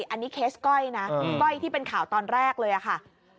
อันนี้เคสก้อยนะก้อยที่เป็นข่าวตอนแรกเลยค่ะ